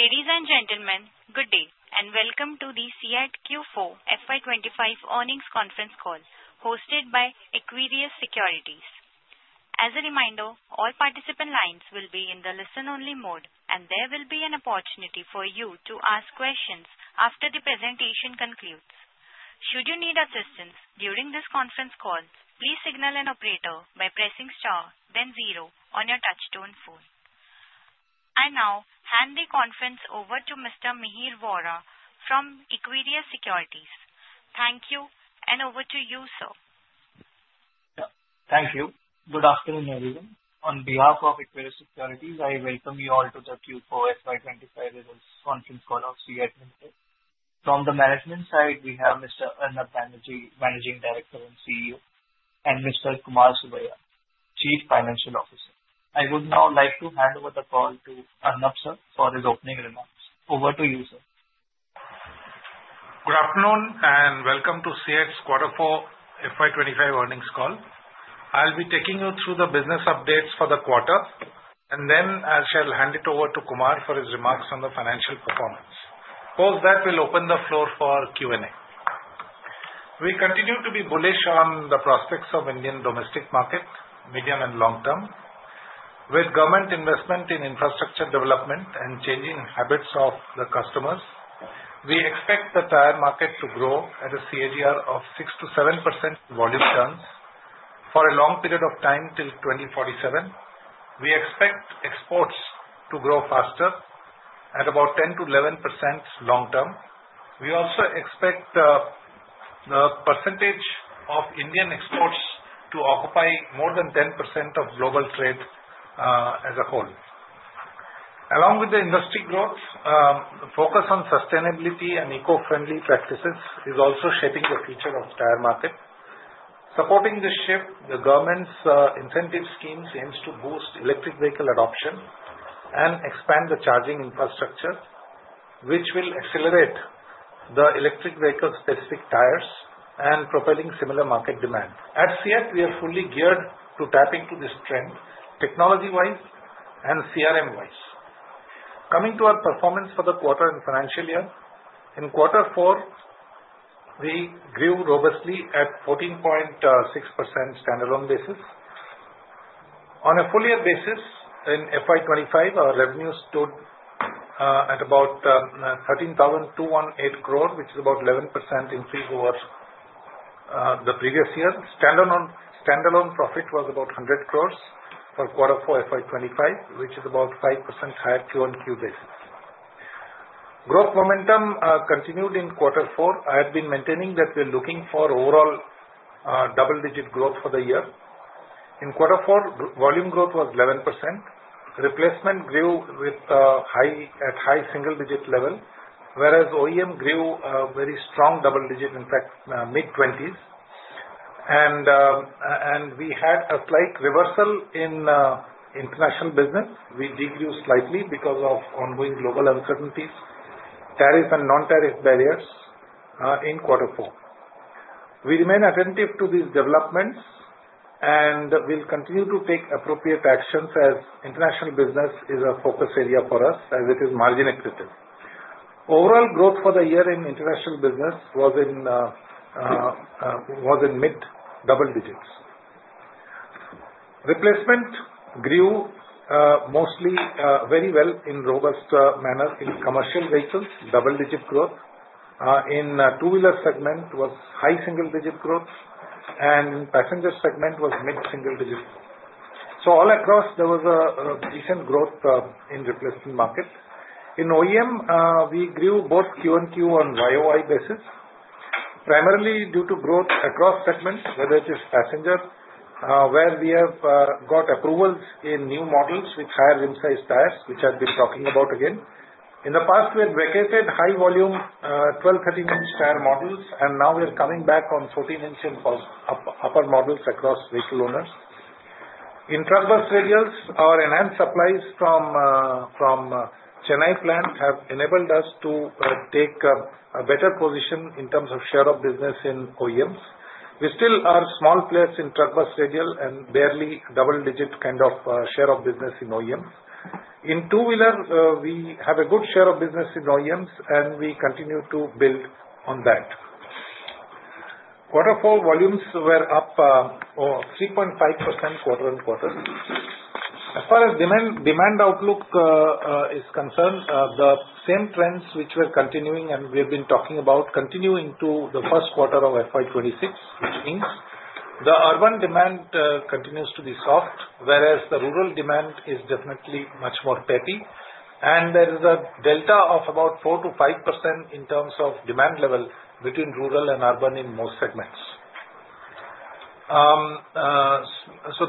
Ladies and gentlemen, good day and welcome to the CEAT Q4 FY 2025 earnings conference call hosted by Equirus Securities. As a reminder, all participant lines will be in the listen-only mode, and there will be an opportunity for you to ask questions after the presentation concludes. Should you need assistance during this conference call, please signal an operator by pressing star, then zero on your touch-tone phone. I now hand the conference over to Mr. Mihir Vora from Equirus Securities. Thank you, and over to you, sir. Thank you. Good afternoon, everyone. On behalf of Equirus Securities, I welcome you all to the Q4 FY 2025 results conference call of CEAT Limited. From the management side, we have Mr. Arnab Banerjee, Managing Director and CEO, and Mr. Kumar Subbiah, Chief Financial Officer. I would now like to hand over the call to Arnab, sir, for his opening remarks. Over to you, sir. Good afternoon and welcome to CEAT's quarter four FY 2025 earnings call. I'll be taking you through the business updates for the quarter, and then I shall hand it over to Kumar for his remarks on the financial performance. Post that, we'll open the floor for Q&A. We continue to be bullish on the prospects of the Indian domestic market, medium and long term. With government investment in infrastructure development and changing habits of the customers, we expect the tyre market to grow at a CAGR of 6%-7% volume terms for a long period of time till 2047. We expect exports to grow faster at about 10%-11% long term. We also expect the percentage of Indian exports to occupy more than 10% of global trade as a whole. Along with the industry growth, the focus on sustainability and eco-friendly practices is also shaping the future of the tyre market. Supporting this shift, the government's incentive schemes aim to boost electric vehicle adoption and expand the charging infrastructure, which will accelerate the electric vehicle-specific tyres and propel similar market demand. At CEAT, we are fully geared to tap into this trend technology-wise and CRM-wise. Coming to our performance for the quarter and financial year, quarter four, we grew robustly at 14.6% standalone basis. On a full-year basis, in FY 2025, our revenues stood at about 13,218 crore, which is about an 11% increase over the previous year. Standalone profit was about 100 crore quarter four FY 2025, which is about a 5% higher QoQ basis. Growth momentum continued in quarter four. I have been maintaining that we are looking for overall double-digit growth for the year. In quarter four, volume growth was 11%. Replacement grew at a high single-digit level, whereas OEM grew a very strong double-digit, in fact, mid-20s. We had a slight reversal in international business. We degrew slightly because of ongoing global uncertainties, tariff and non-tariff barriers in quarter four. We remain attentive to these developments and will continue to take appropriate actions as international business is a focus area for us, as it is margin-accretive. Overall growth for the year in international business was in mid-double digits. Replacement grew very well in a robust manner in commercial vehicles, double-digit growth. In the two-wheeler segment, it was high single-digit growth, and in the passenger segment, it was mid-single-digit growth. All across, there was a decent growth in the replacement market. In OEM, we grew both QoQ and YoY basis, primarily due to growth across segments, whether it is passenger, where we have got approvals in new models with higher rim size tyres, which I've been talking about again. In the past, we had vacated high-volume 12-13 inch tyre models, and now we are coming back on 14-inch and upper models across vehicle owners. In truck bus radials, our enhanced supplies from the Chennai plant have enabled us to take a better position in terms of share of business in OEMs. We still are a small player in truck bus radial and barely double-digit kind of share of business in OEMs. In two-wheeler, we have a good share of business in OEMs, and we continue to build on that. Quarter four volumes were up 3.5% quarter-on-quarter. As far as demand outlook is concerned, the same trends which were continuing, and we have been talking about, continue into the first quarter of FY 2026, which means the urban demand continues to be soft, whereas the rural demand is definitely much more petty. There is a delta of about 4%-5% in terms of demand level between rural and urban in most segments.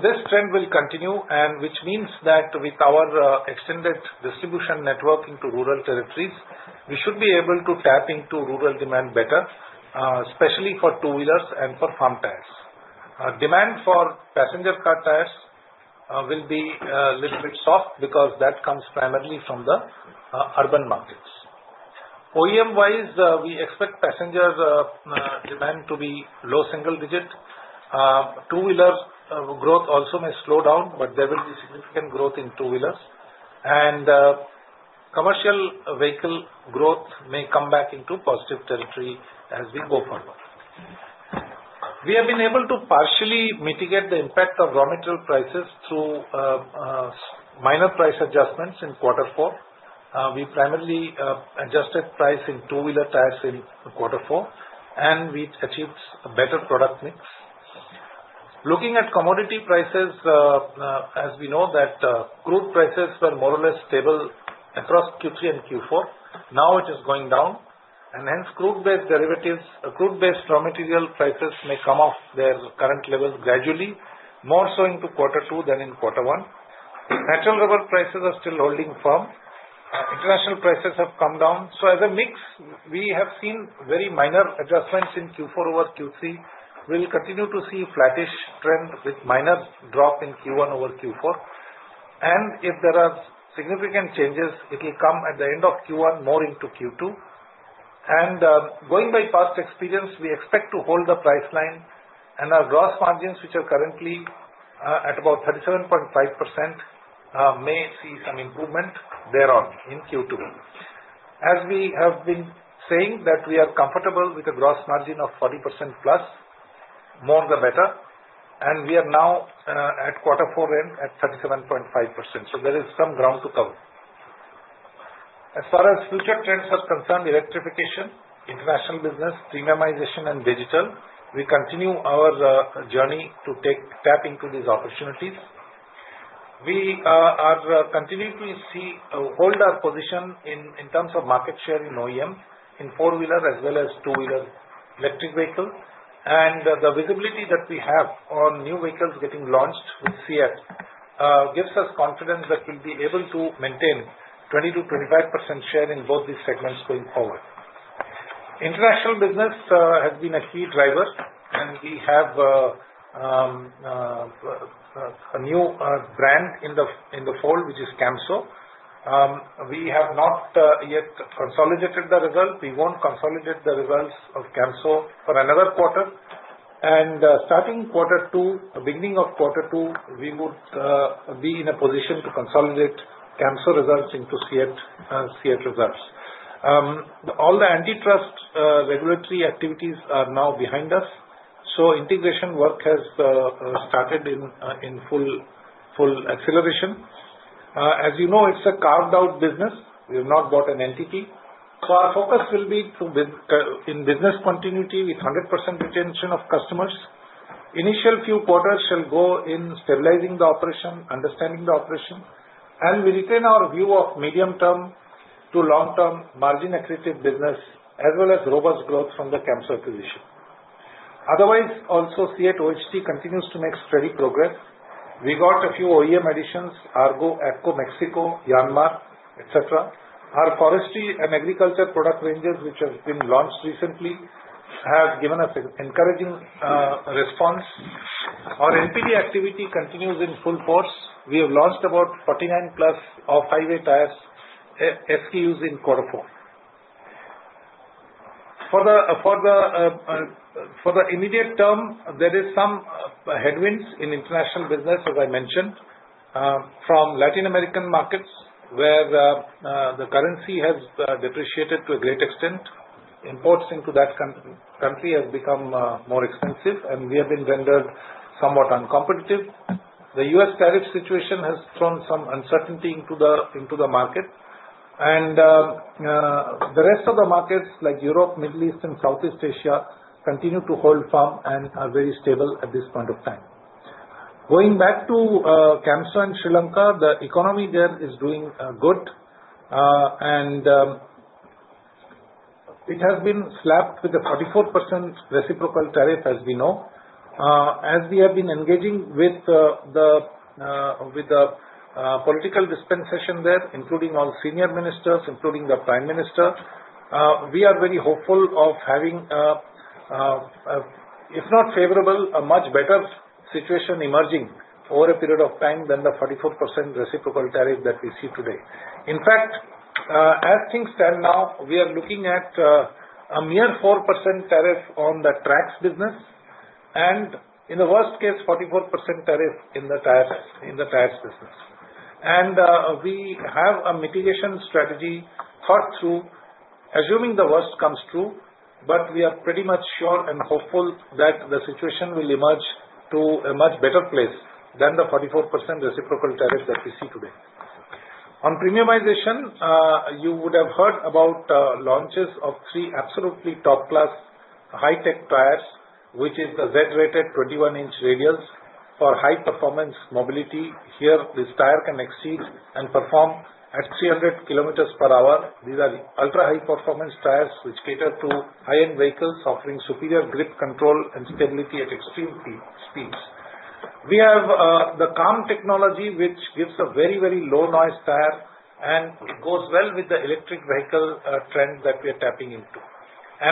This trend will continue, which means that with our extended distribution network into rural territories, we should be able to tap into rural demand better, especially for two-wheelers and for farm tyres. Demand for passenger car tyres will be a little bit soft because that comes primarily from the urban markets. OEM-wise, we expect passenger demand to be low single-digit. Two-wheeler growth also may slow down, but there will be significant growth in two-wheelers. Commercial vehicle growth may come back into positive territory as we go forward. We have been able to partially mitigate the impact of raw material prices through minor price adjustments in quarter four. We primarily adjusted price in two-wheeler tyres in quarter four, and we achieved a better product mix. Looking at commodity prices, as we know that crude prices were more or less stable across Q3 and Q4, now it is going down. Hence, crude-based derivatives, crude-based raw material prices may come off their current levels gradually, more so into quarter two than in quarter one. Natural rubber prices are still holding firm. International prices have come down. As a mix, we have seen very minor adjustments in Q4 over Q3. We will continue to see a flattish trend with a minor drop in Q1 over Q4. If there are significant changes, it will come at the end of Q1, more into Q2. Going by past experience, we expect to hold the price line, and our gross margins, which are currently at about 37.5%, may see some improvement thereon in Q2. As we have been saying, we are comfortable with a gross margin of 40% plus, more the better. We are now at quarter four end at 37.5%, so there is some ground to cover. As far as future trends are concerned, electrification, international business, premiumization, and digital, we continue our journey to tap into these opportunities. We continue to hold our position in terms of market share in OEM in four-wheeler as well as two-wheeler electric vehicle. The visibility that we have on new vehicles getting launched with CEAT gives us confidence that we'll be able to maintain 20%-25% share in both these segments going forward. International business has been a key driver, and we have a new brand in the fold, which is Camso. We have not yet consolidated the result. We won't consolidate the results of Camso for another quarter. Starting quarter two, beginning of quarter two, we would be in a position to consolidate Camso results into CEAT results. All the antitrust regulatory activities are now behind us. Integration work has started in full acceleration. As you know, it's a carved-out business. We have not bought an entity. Our focus will be in business continuity with 100% retention of customers. Initial few quarters shall go in stabilizing the operation, understanding the operation. We retain our view of medium-term to long-term margin-accretive business, as well as robust growth from the Camso acquisition. Otherwise, also CEAT OHT continues to make steady progress. We got a few OEM additions: Argo, AGCO, Mexico, YANMAR, etc. Our forestry and agriculture product ranges, which have been launched recently, have given us an encouraging response. Our NPD activity continues in full force. We have launched about 49 plus off-highway tyres SKUs in quarter four. For the immediate term, there are some headwinds in international business, as I mentioned, from Latin American markets, where the currency has depreciated to a great extent. Imports into that country have become more expensive, and we have been rendered somewhat uncompetitive. The U.S. tariff situation has thrown some uncertainty into the market. The rest of the markets, like Europe, Middle East, and Southeast Asia, continue to hold firm and are very stable at this point of time. Going back to Camso and Sri Lanka, the economy there is doing good. It has been slapped with a 44% reciprocal tariff, as we know. As we have been engaging with the political dispensation there, including all senior ministers, including the Prime Minister, we are very hopeful of having, if not favorable, a much better situation emerging over a period of time than the 44% reciprocal tariff that we see today. In fact, as things stand now, we are looking at a mere 4% tariff on the tracks business and, in the worst case, 44% tariff in the tyres business. We have a mitigation strategy thought through, assuming the worst comes true, but we are pretty much sure and hopeful that the situation will emerge to a much better place than the 44% reciprocal tariff that we see today. On premiumization, you would have heard about launches of three absolutely top-class high-tech tyres, which are the Z-rated 21-inch radials for high-performance mobility. Here, this tyre can exceed and perform at 300 km per hour. These are ultra-high-performance tyres, which cater to high-end vehicles offering superior grip control and stability at extreme speeds. We have the CALM technology, which gives a very, very low-noise tyre and goes well with the electric vehicle trend that we are tapping into.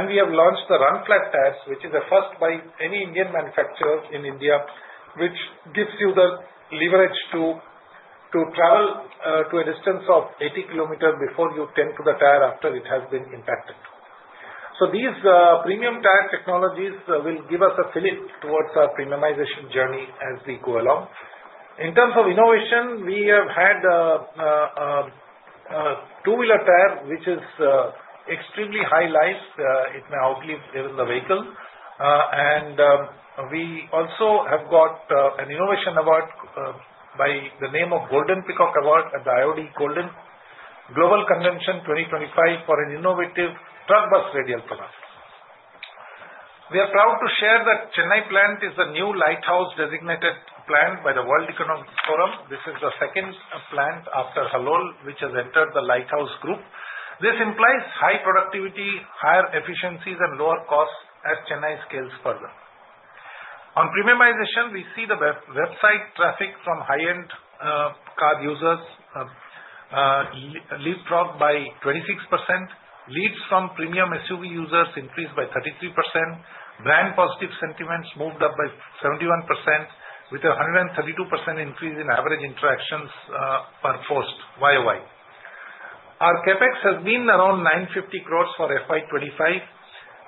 We have launched the Run-Flat tyres, which is a first by any Indian manufacturer in India, which gives you the leverage to travel to a distance of 80 km before you tend to the tyre after it has been impacted. These premium tyre technologies will give us a fill-in towards our premiumization journey as we go along. In terms of innovation, we have had a two-wheeler tyre, which is extremely high life. It may outlive even the vehicle. We also have got an innovation award by the name of Golden Peacock Award at the IOD Golden Global Convention 2025 for an innovative truck bus radial product. We are proud to share that the Chennai plant is a new lighthouse designated plant by the World Economic Forum. This is the second plant after Halol, which has entered the lighthouse group. This implies high productivity, higher efficiencies, and lower costs as Chennai scales further. On premiumization, we see the website traffic from high-end car users leapfrogged by 26%. Leads from premium SUV users increased by 33%. Brand positive sentiments moved up by 71%, with a 132% increase in average interactions per post YoY. Our CapEx has been around 950 crore for FY 2025,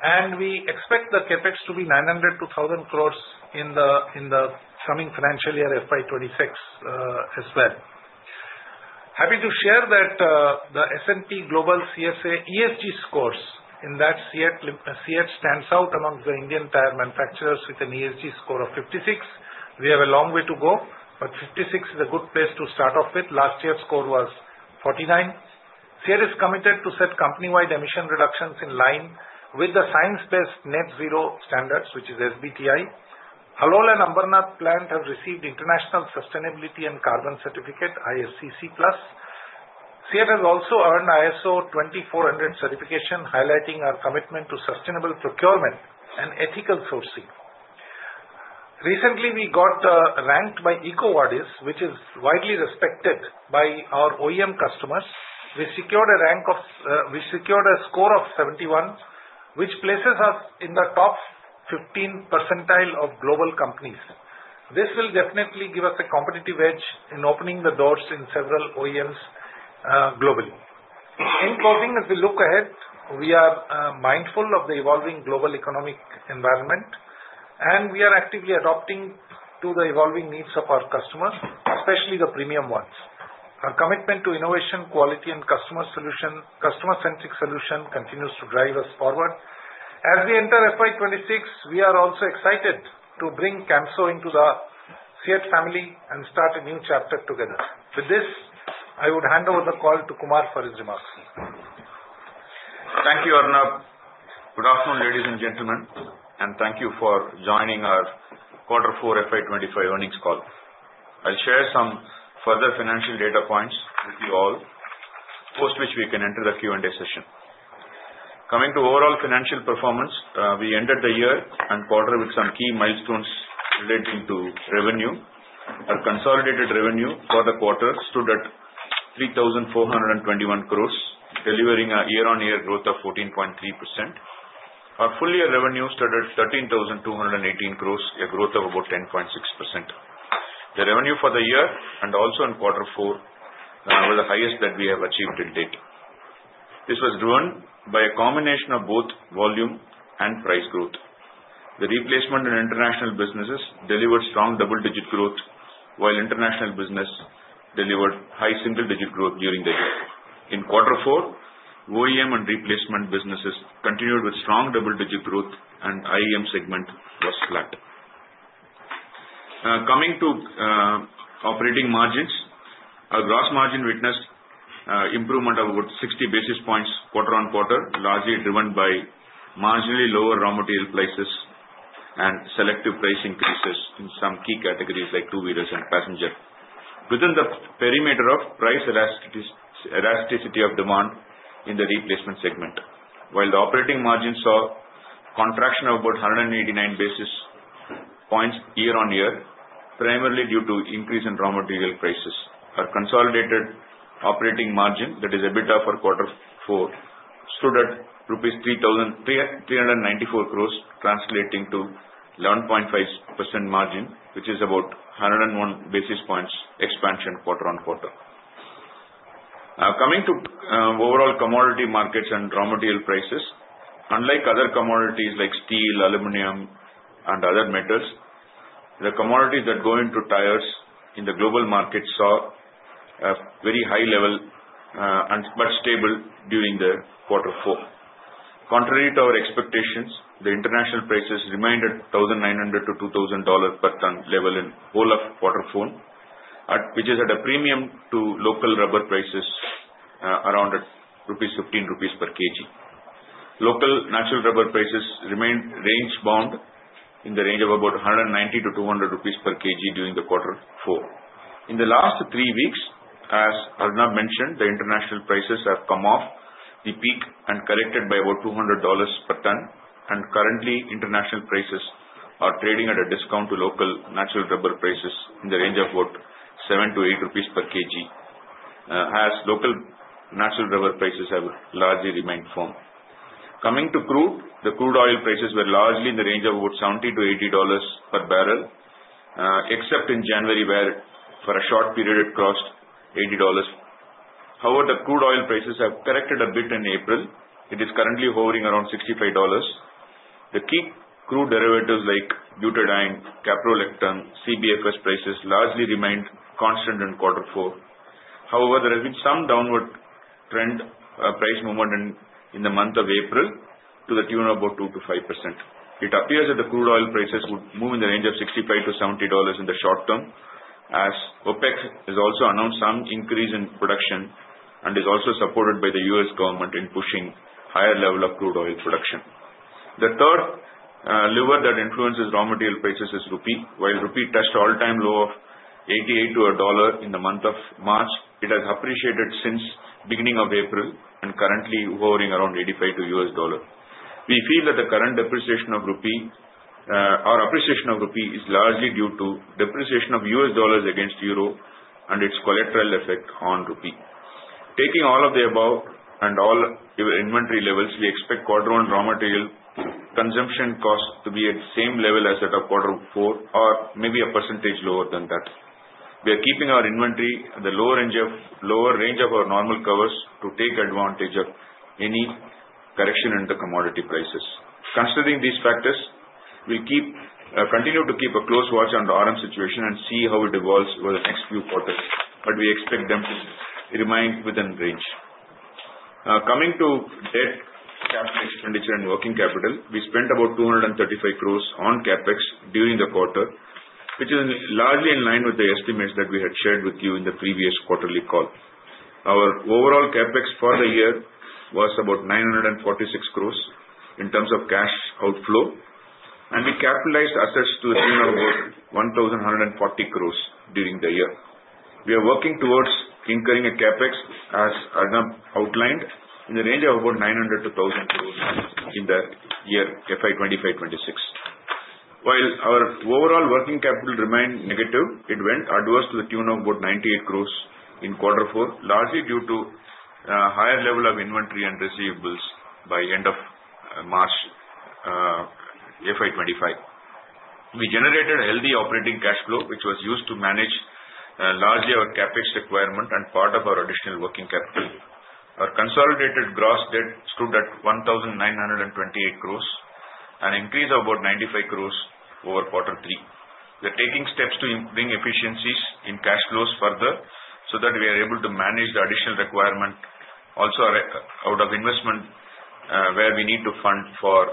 and we expect the CapEx to be 900-1,000 crore in the coming financial year FY 2026 as well. Happy to share that the S&P Global CSA ESG scores, in that CEAT stands out amongst the Indian tyre manufacturers with an ESG score of 56. We have a long way to go, but 56 is a good place to start off with. Last year's score was 49. CEAT is committed to set company-wide emission reductions in line with the science-based net zero standards, which is SBTi. Halol and Ambernath plant have received International Sustainability and Carbon Certificate, ISCC Plus. CEAT has also earned ISO 20400 certification, highlighting our commitment to sustainable procurement and ethical sourcing. Recently, we got ranked by EcoVadis, which is widely respected by our OEM customers. We secured a score of 71, which places us in the top 15% of global companies. This will definitely give us a competitive edge in opening the doors in several OEMs globally. In closing, as we look ahead, we are mindful of the evolving global economic environment, and we are actively adapting to the evolving needs of our customers, especially the premium ones. Our commitment to innovation, quality, and customer-centric solution continues to drive us forward. As we enter FY 2026, we are also excited to bring Camso into the CEAT family and start a new chapter together. With this, I would hand over the call to Kumar for his remarks. Thank you, Arnab. Good afternoon, ladies and gentlemen, and thank you for joining our quarter four FY 2025 earnings call. I'll share some further financial data points with you all, post which we can enter the Q&A session. Coming to overall financial performance, we ended the year and quarter with some key milestones relating to revenue. Our consolidated revenue for the quarter stood at 3,421 crore, delivering a year-on-year growth of 14.3%. Our full-year revenue stood at 13,218 crore, a growth of about 10.6%. The revenue for the year and also in quarter four was the highest that we have achieved till date. This was driven by a combination of both volume and price growth. The replacement and international businesses delivered strong double-digit growth, while international business delivered high single-digit growth during the year. In quarter four, OEM and replacement businesses continued with strong double-digit growth, and IEM segment was flat. Coming to operating margins, our gross margin witnessed improvement of about 60 basis points quarter on quarter, largely driven by marginally lower raw material prices and selective price increases in some key categories like two-wheelers and passenger. Within the perimeter of price elasticity of demand in the replacement segment, while the operating margin saw contraction of about 189 basis points year-on-year, primarily due to increase in raw material prices. Our consolidated operating margin, that is EBITDA of quarter four, stood at rupees 394 crore, translating to 11.5% margin, which is about 101 basis points expansion quarter-on-quarter. Coming to overall commodity markets and raw material prices, unlike other commodities like steel, aluminum, and other metals, the commodities that go into tyres in the global market saw a very high level but stable during the quarter four. Contrary to our expectations, the international prices remained at $1,900-$2,000 per ton level in all of quarter four, which is at a premium to local rubber prices around 15 rupees per kg. Local natural rubber prices remained range-bound in the range of about 190-200 rupees per kg during the quarter four. In the last three weeks, as Arnab mentioned, the international prices have come off the peak and corrected by about $200 per ton. Currently, international prices are trading at a discount to local natural rubber prices in the range of about 7-8 rupees per kg, as local natural rubber prices have largely remained firm. Coming to crude, the crude oil prices were largely in the range of about $70-$80 per barrel, except in January where for a short period it crossed $80. However, the crude oil prices have corrected a bit in April. It is currently hovering around $65. The key crude derivatives like butadiene, caprolactam, and CBFS prices largely remained constant in quarter four. However, there has been some downward trend price movement in the month of April to the tune of about 2%-5%. It appears that the crude oil prices would move in the range of $65-$70 in the short term, as OPEC has also announced some increase in production and is also supported by the U.S. government in pushing higher level of crude oil production. The third lever that influences raw material prices is rupee. While rupee touched all-time low of $88 to $1 in the month of March, it has appreciated since the beginning of April and currently hovering around $85 to U.S. dollar. We feel that the current depreciation of rupee is largely due to depreciation of U.S. dollars against euro and its collateral effect on rupee. Taking all of the above and all inventory levels, we expect quarter one raw material consumption cost to be at the same level as that of quarter four or maybe a percentage lower than that. We are keeping our inventory at the lower range of our normal covers to take advantage of any correction in the commodity prices. Considering these factors, we will continue to keep a close watch on the RM situation and see how it evolves over the next few quarters. We expect them to remain within range. Coming to debt, CapEx expenditure, and working capital, we spent about 235 crore on CapEx during the quarter, which is largely in line with the estimates that we had shared with you in the previous quarterly call. Our overall CapEx for the year was about 946 crore in terms of cash outflow, and we capitalized assets to the tune of about 1,140 crore during the year. We are working towards incurring a CapEx, as Arnab outlined, in the range of about 900-1,000 crore in the year FY 2025-2026. While our overall working capital remained negative, it went adverse to the tune of about 98 crore in quarter four, largely due to a higher level of inventory and receivables by end of March 2025. We generated a healthy operating cash flow, which was used to manage largely our CapEx requirement and part of our additional working capital. Our consolidated gross debt stood at 1,928 crore and increased about 95 crore over quarter three. We are taking steps to bring efficiencies in cash flows further so that we are able to manage the additional requirement also out of investment where we need to fund for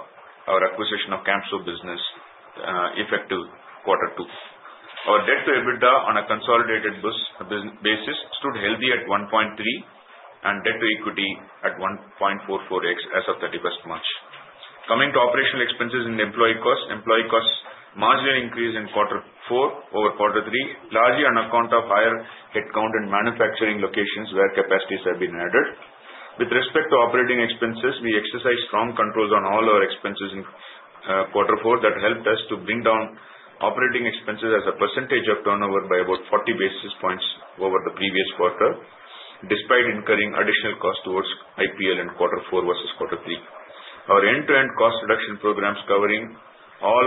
our acquisition of Camso business effective quarter two. Our debt to EBITDA on a consolidated basis stood healthy at 1.3 and debt to equity at 1.44x as of 31st March. Coming to operational expenses and employee costs, employee costs marginally increased in quarter four over quarter three, largely on account of higher headcount and manufacturing locations where capacities have been added. With respect to operating expenses, we exercised strong controls on all our expenses in quarter four that helped us to bring down operating expenses as a percentage of turnover by about 40 basis points over the previous quarter, despite incurring additional costs towards IPL in quarter four versus quarter three. Our end-to-end cost reduction programs covering all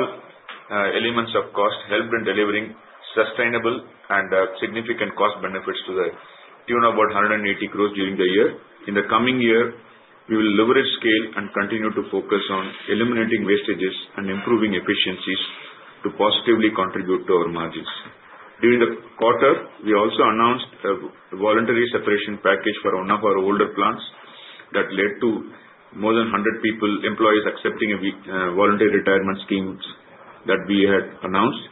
elements of cost helped in delivering sustainable and significant cost benefits to the tune of about 180 crore during the year. In the coming year, we will leverage scale and continue to focus on eliminating wastages and improving efficiencies to positively contribute to our margins. During the quarter, we also announced a voluntary separation package for one of our older plants that led to more than 100 employees accepting voluntary retirement schemes that we had announced,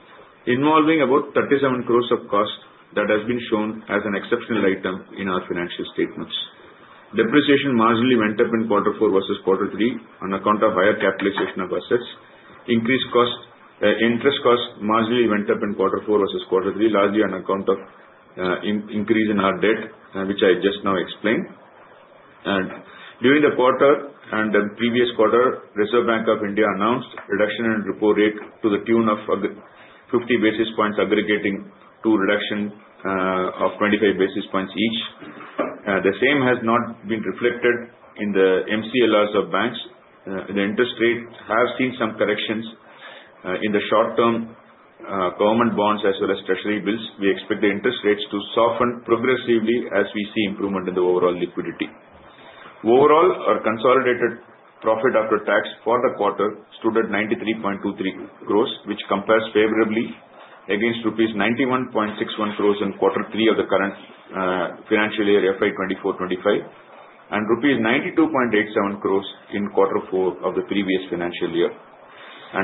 involving about 37 crore of cost that has been shown as an exceptional item in our financial statements. Depreciation marginally went up in quarter four versus quarter three on account of higher capitalization of assets. Interest costs marginally went up in quarter four versus quarter three, largely on account of increase in our debt, which I just now explained. During the quarter and the previous quarter, Reserve Bank of India announced reduction in repo rate to the tune of 50 basis points, aggregating to a reduction of 25 basis points each. The same has not been reflected in the MCLRs of banks. The interest rate has seen some corrections in the short-term government bonds as well as treasury bills. We expect the interest rates to soften progressively as we see improvement in the overall liquidity. Overall, our consolidated profit after tax for the quarter stood at 93.23 crore, which compares favorably against rupees 91.61 crore in quarter three of the current financial year 2024-2025 and rupees 92.87 crore in quarter four of the previous financial year.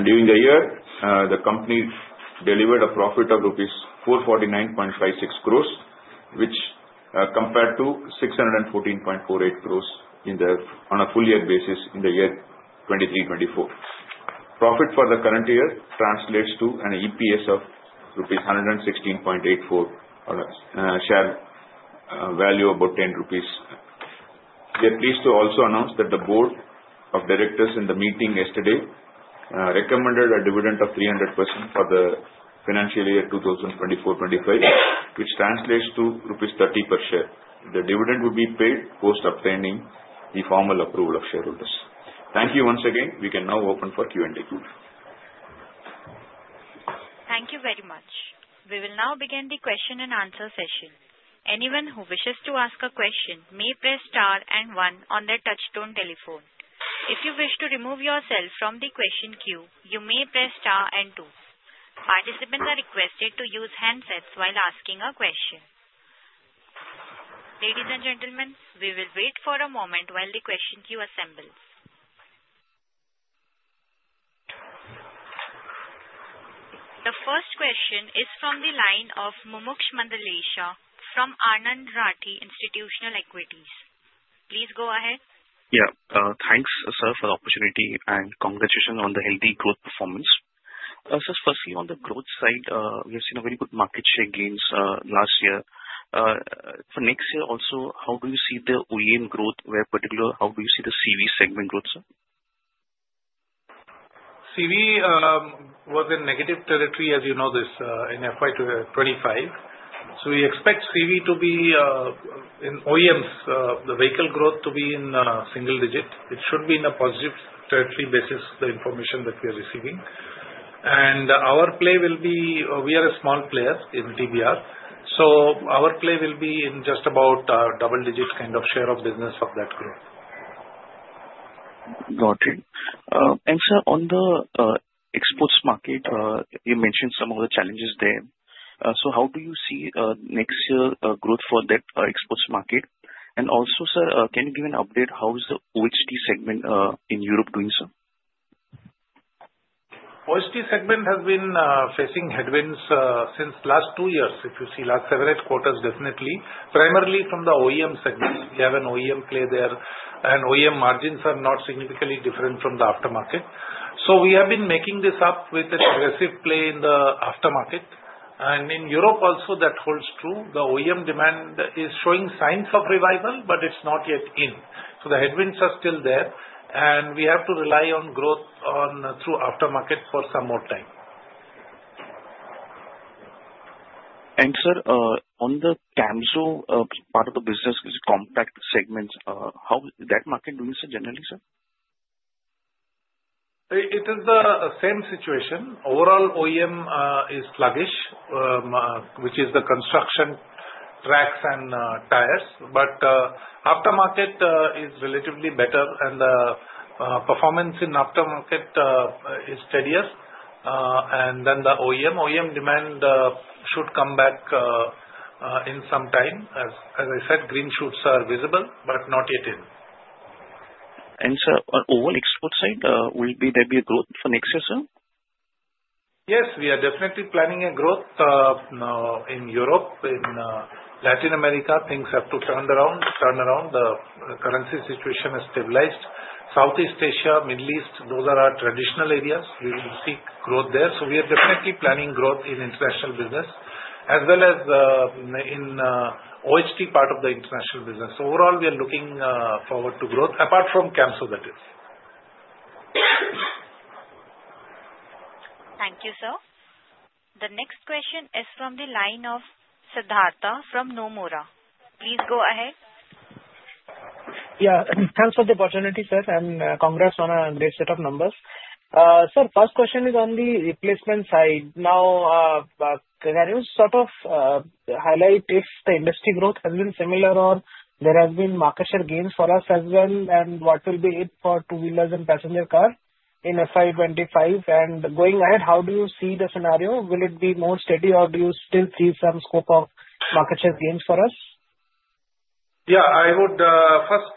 During the year, the company delivered a profit of rupees 449.56 crore, which compared to 614.48 crore on a full-year basis in the year 2023-2024. Profit for the current year translates to an EPS of rupees 116.84, share value about 10 rupees. We are pleased to also announce that the Board of Directors in the meeting yesterday recommended a dividend of 300% for the financial year 2024-2025, which translates to rupees 30 per share. The dividend will be paid post-obtaining the formal approval of shareholders. Thank you once again. We can now open for Q&A. Thank you very much. We will now begin the question and answer session. Anyone who wishes to ask a question may press star and one on their touch-tone telephone. If you wish to remove yourself from the question queue, you may press star and two. Participants are requested to use handsets while asking a question. Ladies and gentlemen, we will wait for a moment while the question queue assembles. The first question is from the line of Mumuksh Mandlesha from Anand Rathi Institutional Equities. Please go ahead. Yeah, thanks, sir, for the opportunity and congratulations on the healthy growth performance. Firstly, on the growth side, we have seen very good market share gains last year. For next year also, how do you see the OEM growth? Where particular, how do you see the CV segment growth, sir? CV was in negative territory, as you know, in FY 2025. We expect CV to be in OEMs, the vehicle growth to be in single digit. It should be in a positive territory basis, the information that we are receiving. Our play will be we are a small player in TBR. Our play will be in just about double-digit kind of share of business of that growth. Got it. Sir, on the exports market, you mentioned some of the challenges there. How do you see next year's growth for that exports market? Also, sir, can you give an update how is the OHT segment in Europe doing, sir? OHT segment has been facing headwinds since the last two years, if you see. Last several quarters, definitely, primarily from the OEM segments. We have an OEM play there, and OEM margins are not significantly different from the aftermarket. We have been making this up with an aggressive play in the aftermarket. In Europe also, that holds true. The OEM demand is showing signs of revival, but it's not yet in. The headwinds are still there, and we have to rely on growth through aftermarket for some more time. Sir, on the Camso part of the business, which is compact segments, how is that market doing, sir, generally, sir? It is the same situation. Overall, OEM is sluggish, which is the construction, tracks, and tyres. Aftermarket is relatively better, and the performance in aftermarket is steadier. The OEM demand should come back in some time. As I said, green shoots are visible, but not yet in. Sir, on the overall export side, will there be a growth for next year, sir? Yes, we are definitely planning a growth in Europe. In Latin America, things have to turn around. The currency situation has stabilized. Southeast Asia, Middle East, those are our traditional areas. We will seek growth there. We are definitely planning growth in international business as well as in the OHT part of the international business. Overall, we are looking forward to growth, apart from Camso, that is. Thank you, sir. The next question is from the line of Siddhartha from Nomura. Please go ahead. Yeah, thanks for the opportunity, sir, and congrats on a great set of numbers. Sir, first question is on the replacement side. Now, can you sort of highlight if the industry growth has been similar or there have been market share gains for us as well, and what will be it for two-wheelers and passenger car in FY 2025? Going ahead, how do you see the scenario? Will it be more steady, or do you still see some scope of market share gains for us? Yeah, I would first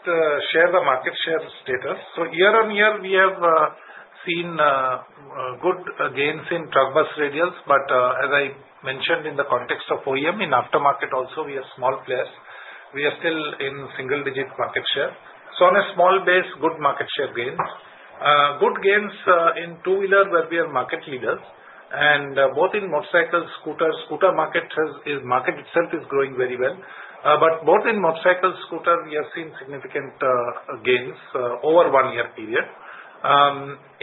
share the market share status. Year on year, we have seen good gains in truck bus radials. As I mentioned in the context of OEM, in aftermarket also, we are a small player. We are still in single-digit market share. On a small base, good market share gains. Good gains in two-wheelers where we are market leaders. Both in motorcycle and scooter, the scooter market itself is growing very well. Both in motorcycle and scooter, we have seen significant gains over a one-year period.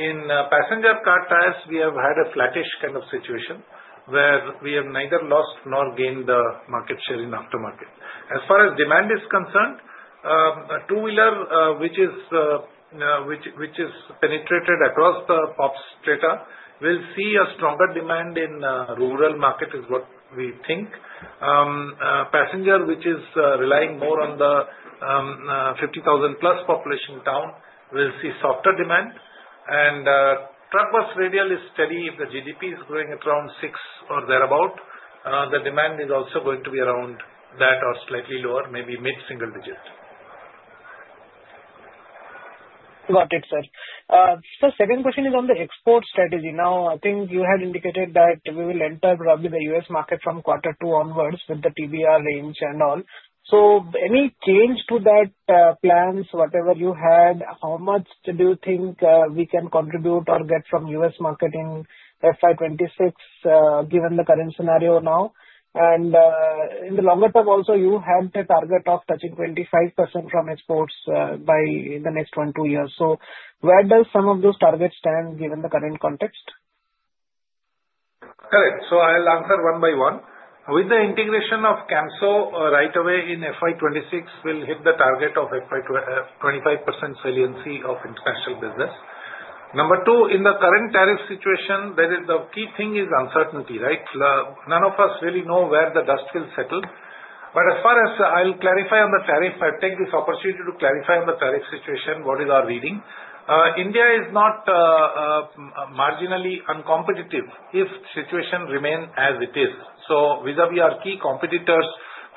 In passenger car tyres, we have had a flattish kind of situation where we have neither lost nor gained market share in aftermarket. As far as demand is concerned, two-wheeler, which is penetrated across the POS data, will see a stronger demand in rural market, is what we think. Passenger, which is relying more on the 50,000-plus population town, will see softer demand. Truck bus radial is steady. If the GDP is growing at around six or thereabout, the demand is also going to be around that or slightly lower, maybe mid-single digit. Got it, sir. Sir, second question is on the export strategy. Now, I think you had indicated that we will enter probably the U.S. market from quarter two onwards with the TBR range and all. Any change to that plans, whatever you had, how much do you think we can contribute or get from U.S. market in FY 2026 given the current scenario now? In the longer term, also, you had a target of touching 25% from exports by the next one or two years. Where does some of those targets stand given the current context? Correct. I'll answer one by one. With the integration of Camso right away in FY 2026, we'll hit the target of 25% saliency of international business. Number two, in the current tariff situation, the key thing is uncertainty, right? None of us really know where the dust will settle. As far as I'll clarify on the tariff, I'll take this opportunity to clarify on the tariff situation, what is our reading. India is not marginally uncompetitive if the situation remains as it is. Vis-a-vis our key competitors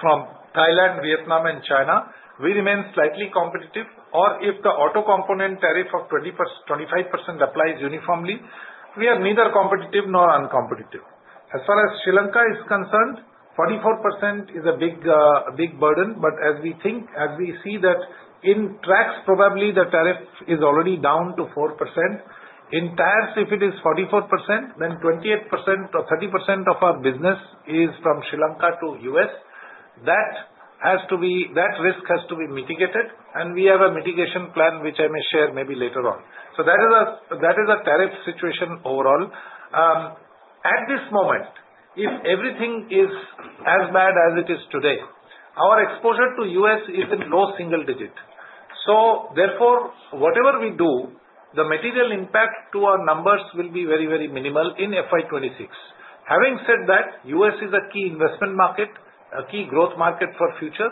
from Thailand, Vietnam, and China, we remain slightly competitive. If the auto component tariff of 25% applies uniformly, we are neither competitive nor uncompetitive. As far as Sri Lanka is concerned, 44% is a big burden. As we think, as we see that in tracks, probably the tariff is already down to 4%. In tyres, if it is 44%, then 28% or 30% of our business is from Sri Lanka to U.S.. That risk has to be mitigated, and we have a mitigation plan, which I may share maybe later on. That is a tariff situation overall. At this moment, if everything is as bad as it is today, our exposure to U.S. is in low single digit. Therefore, whatever we do, the material impact to our numbers will be very, very minimal in FY 2026. Having said that, U.S. is a key investment market, a key growth market for future.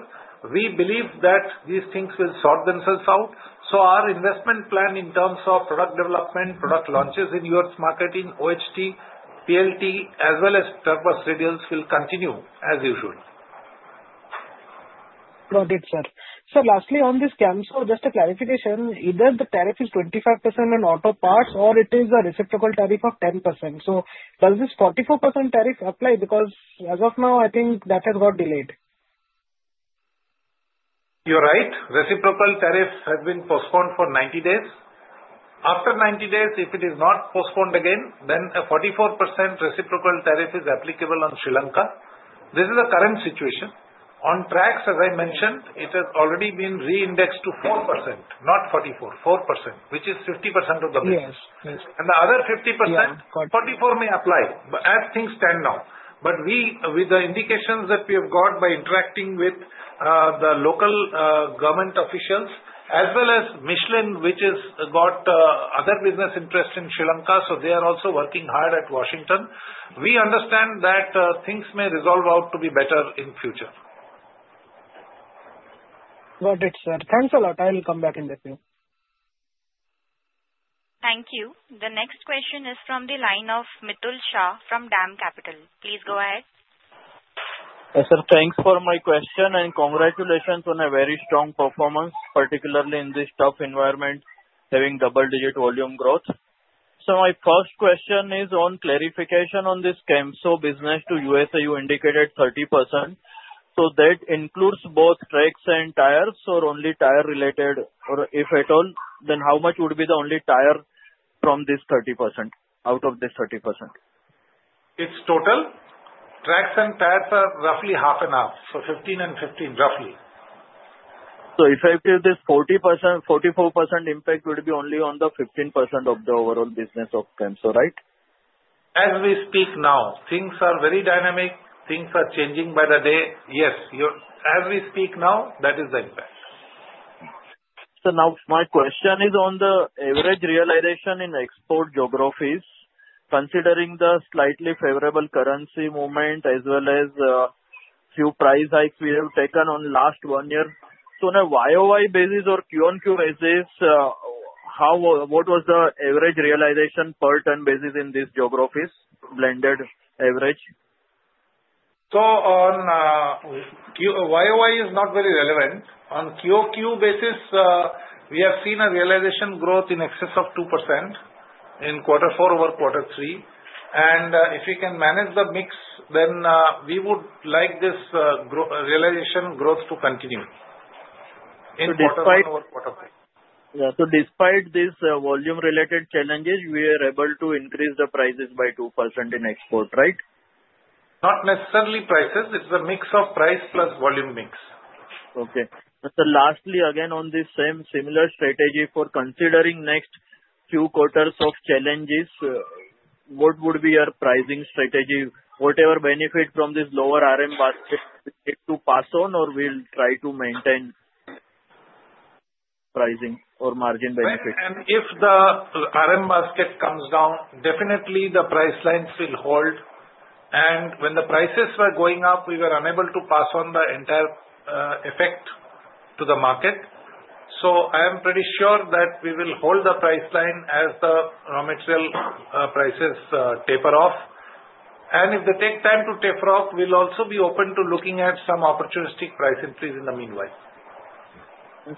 We believe that these things will sort themselves out. Our investment plan in terms of product development, product launches in U.S. market in OHT, PLT, as well as truck bus radials will continue as usual. Got it, sir. Sir, lastly on this Camso, just a clarification. Either the tariff is 25% on auto parts or it is a reciprocal tariff of 10%. Does this 44% tariff apply? Because as of now, I think that has got delayed. You're right. Reciprocal tariff has been postponed for 90 days. After 90 days, if it is not postponed again, then a 44% reciprocal tariff is applicable on Sri Lanka. This is the current situation. On tracks, as I mentioned, it has already been re-indexed to 4%, not 44%, 4%, which is 50% of the base. And the other 50%, 44% may apply as things stand now. With the indications that we have got by interacting with the local government officials as well as Michelin, which has got other business interests in Sri Lanka, they are also working hard at Washington. We understand that things may resolve out to be better in future. Got it, sir. Thanks a lot. I will come back in the field. Thank you. The next question is from the line of Mitul Shah from DAM Capital. Please go ahead. Sir, thanks for my question and congratulations on a very strong performance, particularly in this tough environment having double-digit volume growth. My first question is on clarification on this Camso business to the U.S., you indicated 30%. That includes both tracks and tyres, or only tyre-related, or if at all, then how much would be only tyre from this 30% out of this 30%? It is total. Tracks and tyres are roughly half and half, so 15% and 15%, roughly. If I give this 44% impact, it would be only on the 15% of the overall business of Camso, right? As we speak now, things are very dynamic. Things are changing by the day. Yes, as we speak now, that is the impact. Now my question is on the average realization in export geographies, considering the slightly favorable currency movement as well as a few price hikes we have taken in the last one year. On a YoY basis or QoQ basis, what was the average realization per ton basis in these geographies, blended average? On YoY, it is not very relevant. On QoQ basis, we have seen a realization growth in excess of 2% in quarter four over quarter three. If we can manage the mix, then we would like this realization growth to continue. Yeah. Despite these volume-related challenges, we are able to increase the prices by 2% in export, right? Not necessarily prices. It is a mix of price plus volume mix. Okay. Lastly, again, on this same similar strategy for considering next few quarters of challenges, what would be your pricing strategy? Whatever benefit from this lower RM basket, is it to pass on or we'll try to maintain pricing or margin benefit? If the RM basket comes down, definitely the price lines will hold. When the prices were going up, we were unable to pass on the entire effect to the market. I am pretty sure that we will hold the price line as the raw material prices taper off. If they take time to taper off, we'll also be open to looking at some opportunistic price increase in the meanwhile.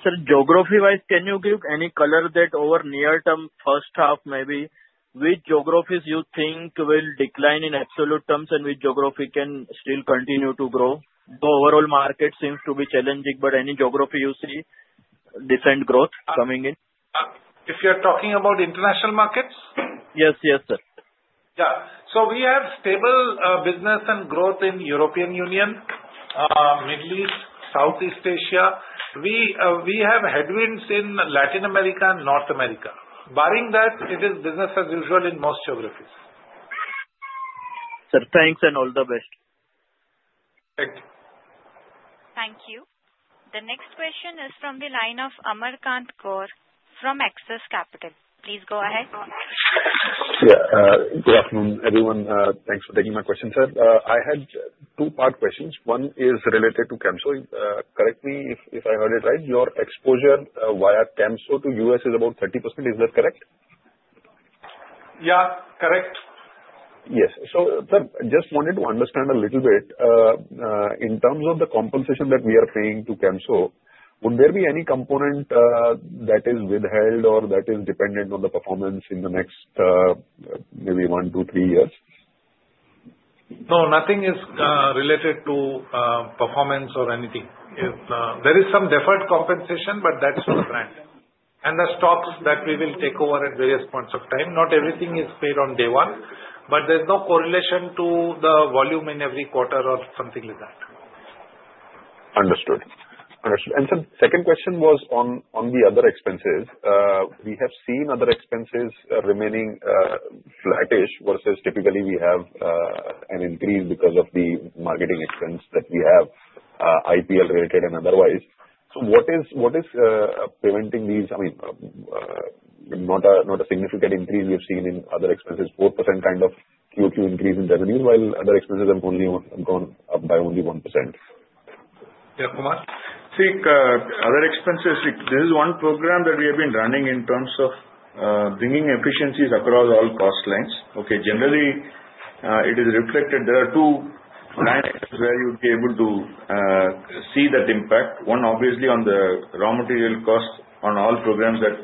Sir, geography-wise, can you give any color that over near-term, first half, maybe which geographies you think will decline in absolute terms and which geography can still continue to grow? The overall market seems to be challenging, but any geography you see decent growth coming in? If you're talking about international markets? Yes, yes, sir. Yeah. We have stable business and growth in the European Union, Middle East, Southeast Asia. We have headwinds in Latin America and North America. Barring that, it is business as usual in most geographies. Sir, thanks and all the best. Thank you. The next question is from the line of Amar Kant Gaur from Axis Capital. Please go ahead. Yeah. Good afternoon, everyone. Thanks for taking my question, sir. I had two-part questions. One is related to Camso. Correct me if I heard it right. Your exposure via Camso to U.S. is about 30%. Is that correct? Yeah, correct. Yes. Sir, I just wanted to understand a little bit. In terms of the compensation that we are paying to Camso, would there be any component that is withheld or that is dependent on the performance in the next maybe one, two, three years? No, nothing is related to performance or anything. There is some deferred compensation, but that's on the grant. And the stocks that we will take over at various points of time, not everything is paid on day one, but there's no correlation to the volume in every quarter or something like that. Understood. Understood. Sir, the second question was on the other expenses. We have seen other expenses remaining flattish versus typically we have an increase because of the marketing expense that we have, IPL-related and otherwise. What is preventing these? I mean, not a significant increase we have seen in other expenses, 4% kind of QoQ increase in revenue, while other expenses have only gone up by only 1%. Yeah, Kumar. See, other expenses, this is one program that we have been running in terms of bringing efficiencies across all cost lines. Okay, generally, it is reflected. There are two lines where you'd be able to see that impact. One, obviously, on the raw material cost on all programs that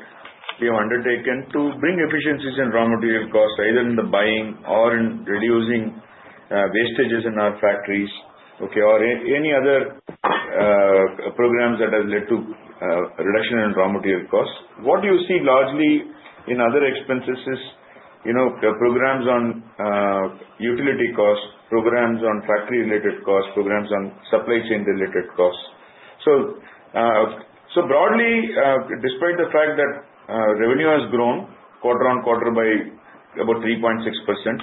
we have undertaken to bring efficiencies in raw material cost, either in the buying or in reducing wastages in our factories, okay, or any other programs that have led to reduction in raw material cost. What you see largely in other expenses is programs on utility cost, programs on factory-related cost, programs on supply chain-related cost. Broadly, despite the fact that revenue has grown quarter-on-quarter by about 3.6%,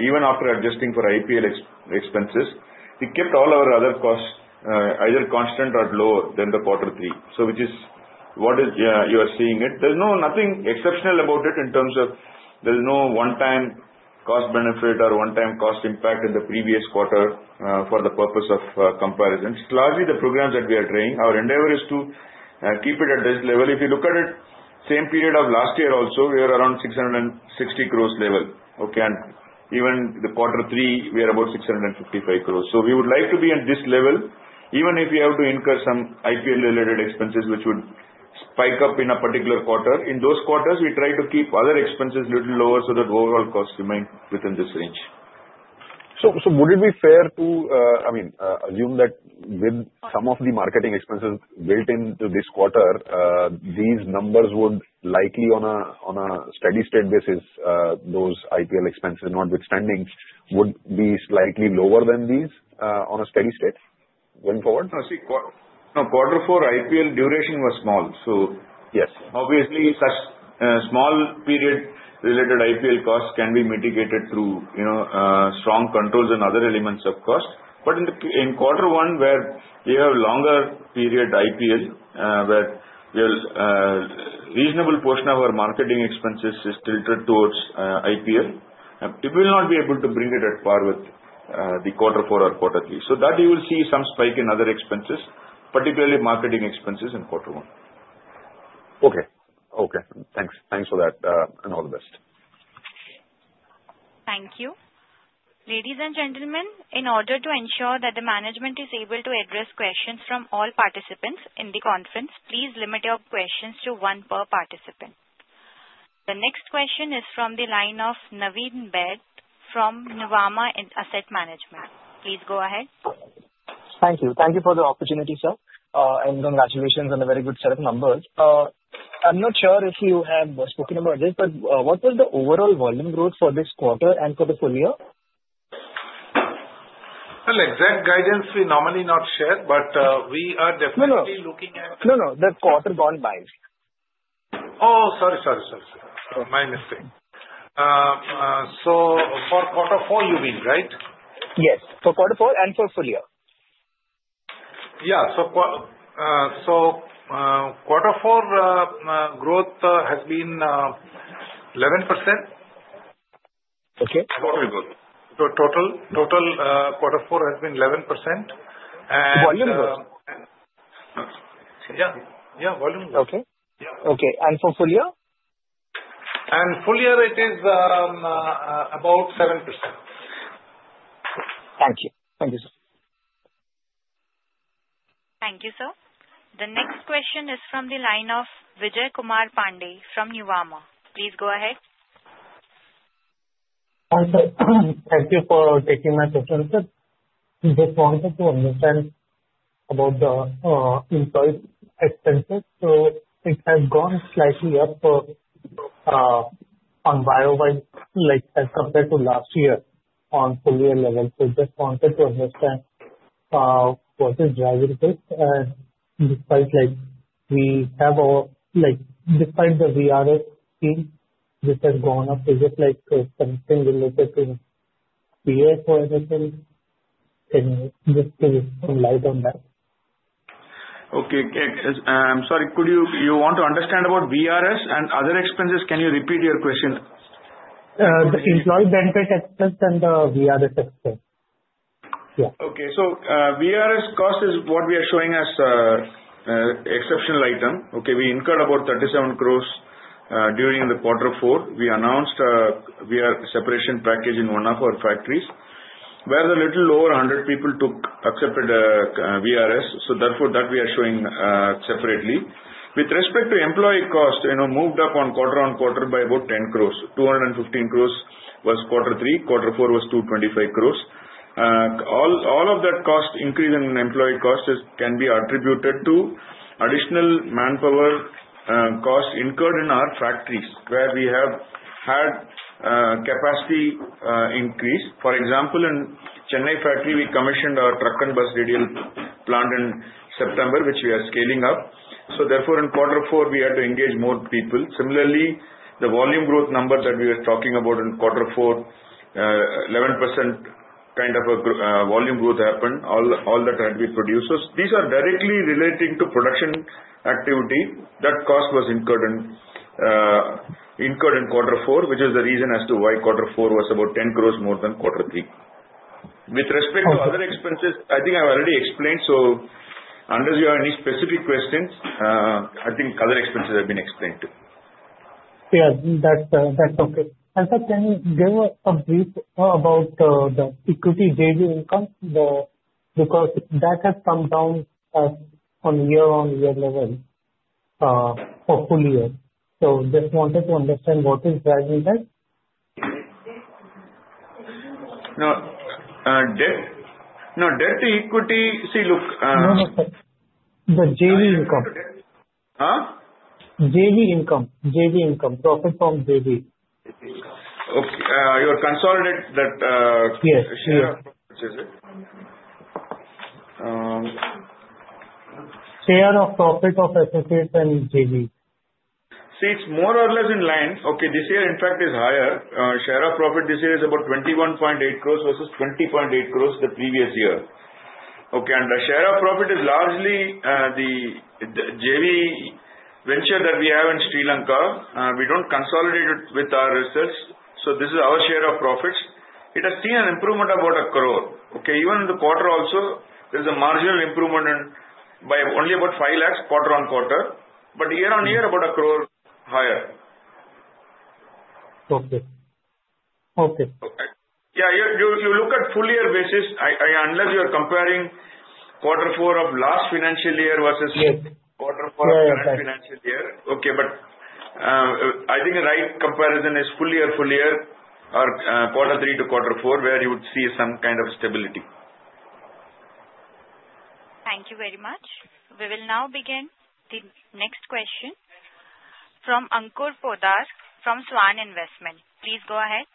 even after adjusting for IPL expenses, we kept all our other costs either constant or lower than quarter three, which is what you are seeing. There is nothing exceptional about it in terms of there being no one-time cost benefit or one-time cost impact in the previous quarter for the purpose of comparisons. It is largely the programs that we are trying. Our endeavor is to keep it at this level. If you look at it, same period of last year also, we were around 660 crore level. Okay. Even quarter three, we are about 655 crore. We would like to be at this level, even if we have to incur some IPL-related expenses which would spike up in a particular quarter. In those quarters, we try to keep other expenses a little lower so that overall costs remain within this range. Would it be fair to, I mean, assume that with some of the marketing expenses built into this quarter, these numbers would likely on a steady-state basis, those IPL expenses notwithstanding, be slightly lower than these on a steady-state going forward? No, see, quarter four IPL duration was small. Obviously, such small period-related IPL costs can be mitigated through strong controls and other elements of cost. In quarter one, where you have longer period IPL, where a reasonable portion of our marketing expenses is tilted towards IPL, it will not be able to bring it at par with the quarter four or quarter three. You will see some spike in other expenses, particularly marketing expenses in quarter one. Okay. Okay. Thanks. Thanks for that and all the best. Thank you. Ladies and gentlemen, in order to ensure that the management is able to address questions from all participants in the conference, please limit your questions to one per participant. The next question is from the line of Naveen Baid from Nuvama Asset Management. Please go ahead. Thank you. Thank you for the opportunity, sir. And congratulations on the very good set of numbers. I'm not sure if you have spoken about this, but what was the overall volume growth for this quarter and for the full year? Exact guidance we normally not share, but we are definitely looking at. No, no, no. The quarter gone by. Oh, sorry, sorry, sorry, sorry. My mistake. For quarter four, you mean, right? Yes. For quarter four and for full year. Yeah. Quarter four growth has been 11%. Okay. Total growth. Total quarter four has been 11%. And volume growth. Yeah. Yeah, volume growth. Okay. Okay. And for full year? And full year, it is about 7%. Thank you. Thank you, sir. Thank you, sir. The next question is from the line of Vijay Kumar Pandey from Nuvama. Please go ahead. Thank you for taking my question, sir. Just wanted to understand about the employee expenses. It has gone slightly up on YoY as compared to last year on full year level. Just wanted to understand what is driving this. Despite we have our, despite the VRS team, this has gone up. Is it something related to VRS cost? Can you just give some light on that? Okay. I'm sorry. You want to understand about VRS and other expenses? Can you repeat your question? The employee benefit expense and the VRS expense. Yeah. Okay. VRS cost is what we are showing as exceptional item. We incurred about 37 crore during quarter four. We announced a separation package in one of our factories where a little lower than 100 people accepted VRS. Therefore, that we are showing separately. With respect to employee cost, moved up quarter-on-quarter by about 10 crore. 215 crore was quarter three. Quarter four was 225 crore. All of that cost increase in employee cost can be attributed to additional manpower cost incurred in our factories where we have had capacity increase. For example, in Chennai factory, we commissioned our truck bus radial plant in September, which we are scaling up. Therefore, in quarter four, we had to engage more people. Similarly, the volume growth number that we were talking about in quarter four, 11% kind of a volume growth happened. All that had to be produced. These are directly relating to production activity. That cost was incurred in quarter four, which is the reason as to why quarter four was about 10 crore more than quarter three. With respect to other expenses, I think I've already explained. Unless you have any specific questions, I think other expenses have been explained too. Yeah. That's okay. Sir, can you give us a brief about the equity JV income? Because that has come down on year-on-year level for full year. Just wanted to understand what is driving that. No. Debt? No. Debt to equity. See, look. No, no, sir. The JV income. Huh? JV income. JV income. Profit from JV. Okay. You are consolidating that. Yes. Share of profit of associates and JV. See, it's more or less in line. Okay. This year, in fact, is higher. Share of profit this year is about 21.8 crore versus 20.8 crore the previous year. Okay. The share of profit is largely the JV venture that we have in Sri Lanka. We do not consolidate it with our research. This is our share of profits. It has seen an improvement of about 1 crore. Okay. Even in the quarter also, there is a marginal improvement by only about 5 lakh quarter-on-quarter. Year-on-year, about 1 crore higher. Okay. Okay. You look at full year basis, unless you are comparing quarter four of last financial year versus quarter four of current financial year. I think the right comparison is full year, full year, or quarter three to quarter four, where you would see some kind of stability. Thank you very much. We will now begin the next question from Ankur Poddar from Svan Investment. Please go ahead.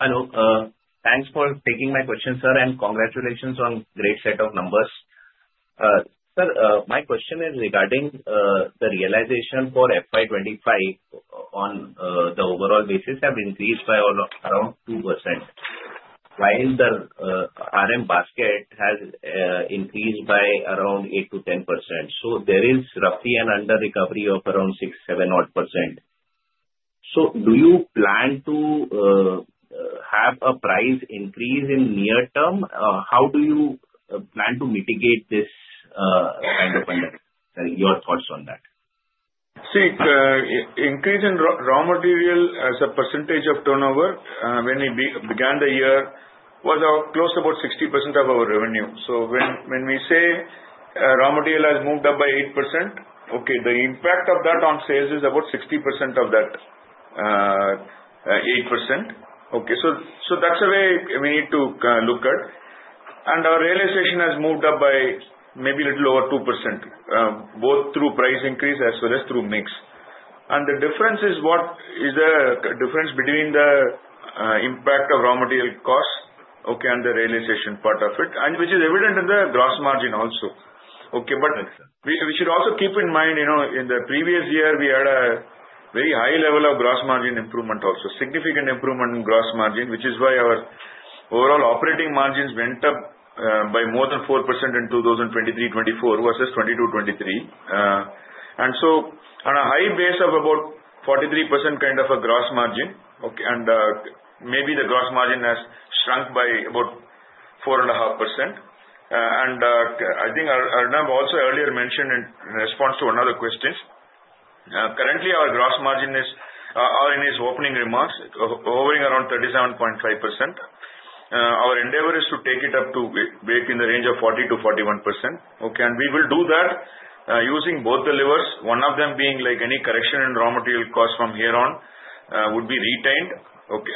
Hello. Thanks for taking my question, sir. And congratulations on great set of numbers. Sir, my question is regarding the realization for FY 2025 on the overall basis have increased by around 2%, while the RM basket has increased by around 8-10%. So there is roughly an under-recovery of around 6-7% odd. Do you plan to have a price increase in near term? How do you plan to mitigate this kind of under? Your thoughts on that. See, increase in raw material as a percentage of turnover, when we began the year, was close to about 60% of our revenue. When we say raw material has moved up by 8%, the impact of that on sales is about 60% of that 8%. That is the way we need to look at it. Our realization has moved up by maybe a little over 2%, both through price increase as well as through mix. The difference is what is the difference between the impact of raw material cost, okay, and the realization part of it, which is evident in the gross margin also. We should also keep in mind, in the previous year, we had a very high level of gross margin improvement also, significant improvement in gross margin, which is why our overall operating margins went up by more than 4% in 2023-2024 versus 2022-2023. On a high base of about 43% kind of a gross margin, okay, maybe the gross margin has shrunk by about 4.5%. I think Arnab also earlier mentioned in response to one of the questions, currently our gross margin is, or in his opening remarks, hovering around 37.5%. Our endeavor is to take it up to in the range of 40%-41%. Okay. We will do that using both the levers, one of them being like any correction in raw material cost from here on would be retained. Okay.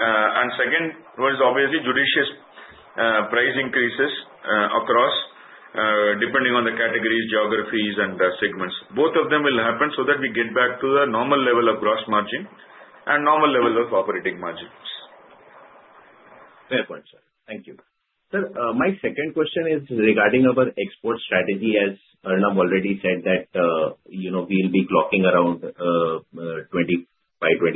Second was obviously judicious price increases across depending on the categories, geographies, and segments. Both of them will happen so that we get back to the normal level of gross margin and normal level of operating margins. Fair point, sir. Thank you. Sir, my second question is regarding our export strategy. As Arnab already said that we will be clocking around 25-26%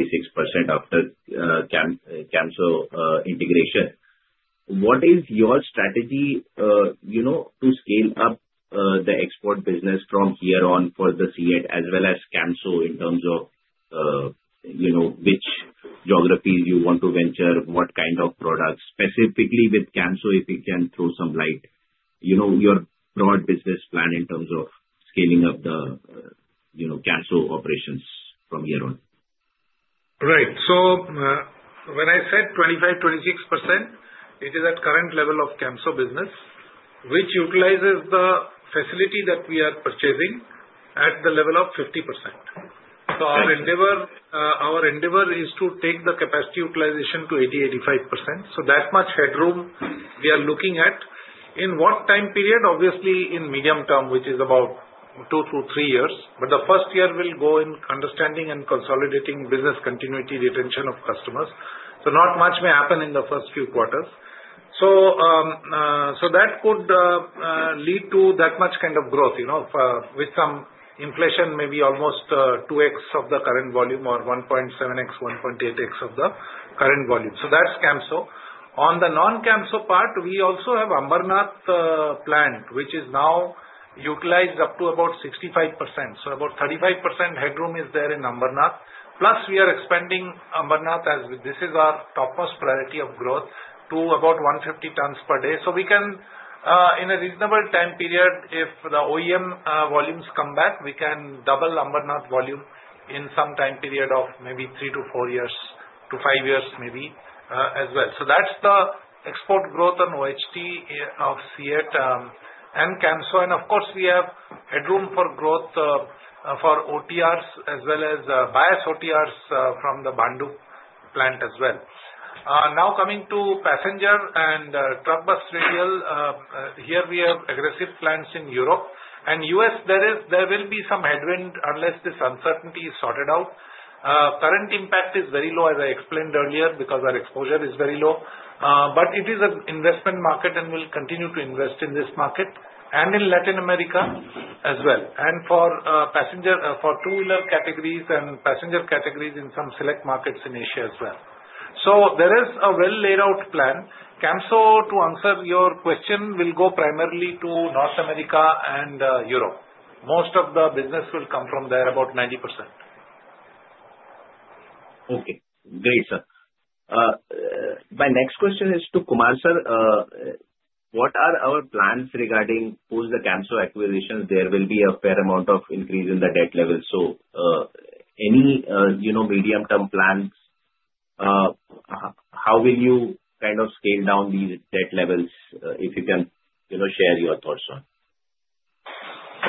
after Camso integration. What is your strategy to scale up the export business from here on for the CEAT as well as Camso in terms of which geographies you want to venture, what kind of products? Specifically with Camso, if you can throw some light, your broad business plan in terms of scaling up the Camso operations from here on. Right. When I said 25%-26%, it is at current level of Camso business, which utilizes the facility that we are purchasing at the level of 50%. Our endeavor is to take the capacity utilization to 80%-85%. That much headroom we are looking at. In what time period? Obviously, in medium term, which is about two to three years. The first year will go in understanding and consolidating business continuity, retention of customers. Not much may happen in the first few quarters. That could lead to that much kind of growth with some inflation, maybe almost 2x of the current volume or 1.7x, 1.8x of the current volume. That is Camso. On the non-Camso part, we also have Ambernath plant, which is now utilized up to about 65%. About 35% headroom is there in Ambernath. Plus, we are expanding Ambernath as this is our topmost priority of growth to about 150 tons per day. We can, in a reasonable time period, if the OEM volumes come back, double Ambernath volume in some time period of maybe three to four years to five years maybe as well. That is the export growth on OHT of CEAT and Camso. Of course, we have headroom for growth for OTRs as well as bias OTRs from the Bhandup plant as well. Now coming to passenger and truck bus radial, here we have aggressive plans in Europe. In the U.S., there will be some headwind unless this uncertainty is sorted out. Current impact is very low, as I explained earlier, because our exposure is very low. It is an investment market and we will continue to invest in this market and in Latin America as well. For two-wheeler categories and passenger categories in some select markets in Asia as well, there is a well-laid out plan. Camso, to answer your question, will go primarily to North America and Europe. Most of the business will come from there, about 90%. Okay. Great, sir. My next question is to Kumar sir. What are our plans regarding post the CAMSO acquisition? There will be a fair amount of increase in the debt level. Any medium-term plans, how will you kind of scale down these debt levels if you can share your thoughts on?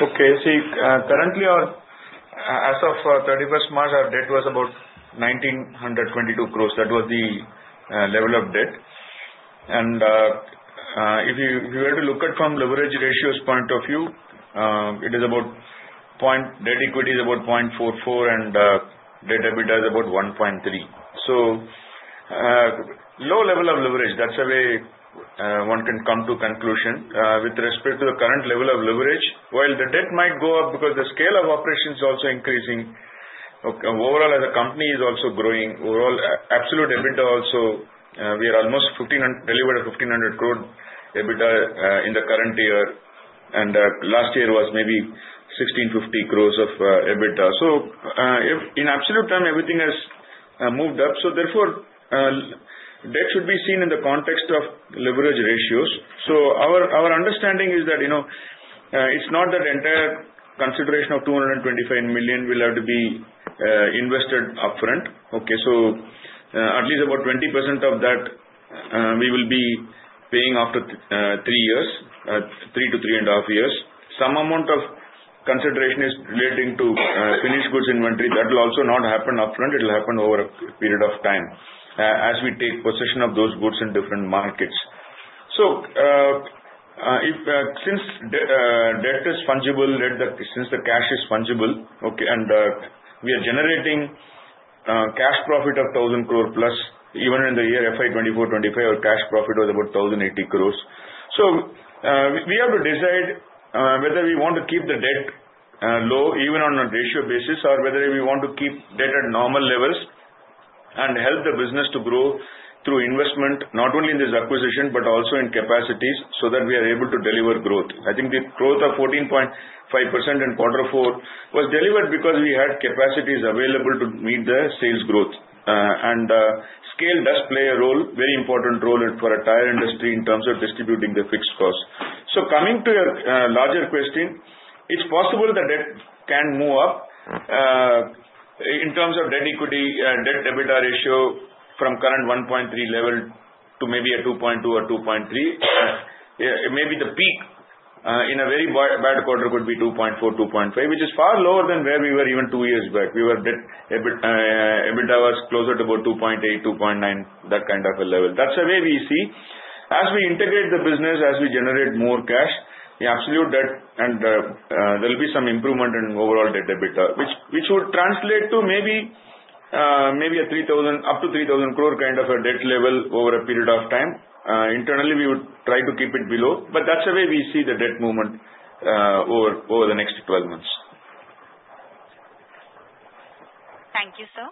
Okay. See, currently, as of 31st March, our debt was about 1,922 crore. That was the level of debt. If you were to look at from leverage ratios point of view, it is about debt equity is about 0.44 and debt EBITDA is about 1.3. Low level of leverage. That's the way one can come to conclusion with respect to the current level of leverage. While the debt might go up because the scale of operations is also increasing. Overall, as a company is also growing, overall absolute EBITDA also, we are almost delivered at 1,500 crore EBITDA in the current year. Last year was maybe 1,650 crore of EBITDA. In absolute term, everything has moved up. Therefore, debt should be seen in the context of leverage ratios. Our understanding is that it's not that entire consideration of $225 million will have to be invested upfront. Okay. At least about 20% of that we will be paying after three years, three to three and a half years. Some amount of consideration is relating to finished goods inventory. That will also not happen upfront. It will happen over a period of time as we take possession of those goods in different markets. Since debt is fungible, since the cash is fungible, and we are generating cash profit of 1,000 crore plus, even in the year FY 2024-2025, our cash profit was about 1,080 crore. We have to decide whether we want to keep the debt low even on a ratio basis or whether we want to keep debt at normal levels and help the business to grow through investment, not only in this acquisition, but also in capacities so that we are able to deliver growth. I think the growth of 14.5% in quarter four was delivered because we had capacities available to meet the sales growth. Scale does play a role, very important role for a tyre industry in terms of distributing the fixed costs. Coming to your larger question, it's possible that debt can move up in terms of debt equity, debt EBITDA ratio from current 1.3 level to maybe a 2.2 or 2.3. Maybe the peak in a very bad quarter could be 2.4-2.5, which is far lower than where we were even two years back. EBITDA was closer to about 2.8-2.9, that kind of a level. That's the way we see. As we integrate the business, as we generate more cash, the absolute debt and there will be some improvement in overall debt EBITDA, which would translate to maybe up to 3,000 crore kind of a debt level over a period of time. Internally, we would try to keep it below. That's the way we see the debt movement over the next 12 months. Thank you, sir.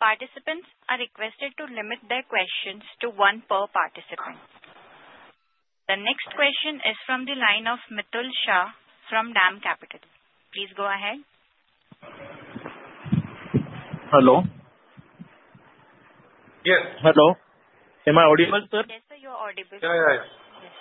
Participants are requested to limit their questions to one per participant. The next question is from the line of Mitul Shah from DAM Capital. Please go ahead. Hello. Yes. Hello. Am I audible, sir? Yes, sir. You're audible. Yeah, yeah, yeah. Yes.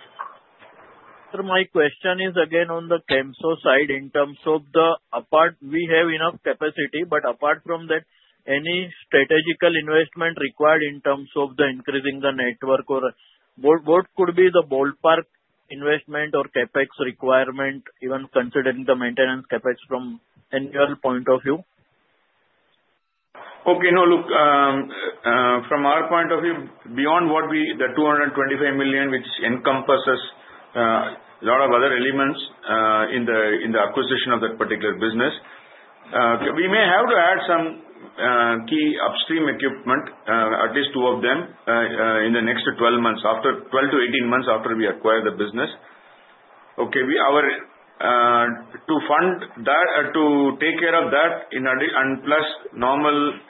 Sir, my question is again on the Camso side in terms of the apart we have enough capacity, but apart from that, any strategical investment required in terms of the increasing the network or what could be the ballpark investment or CapEx requirement, even considering the maintenance CapEx from annual point of view? Okay. No, look, from our point of view, beyond the $225 million, which encompasses a lot of other elements in the acquisition of that particular business, we may have to add some key upstream equipment, at least two of them, in the next 12 months, after 12 to 18 months after we acquire the business. Okay. To take care of that and plus normal